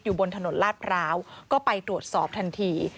บนถนนลาดพร้าวก็ไปตรวจสอบทันที